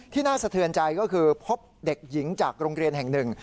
น่าสะเทือนใจก็คือพบเด็กหญิงจากโรงเรียนแห่งหนึ่ง